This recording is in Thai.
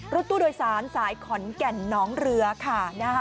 รถตู้โดยสารสายขอนแก่นน้องเรือค่ะ